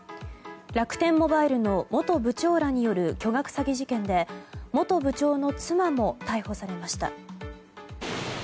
楽天モバイルの元部長らによる巨額詐欺事件で元部長の妻も逮捕されました。